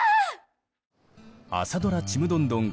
朝ドラ「ちむどんどん」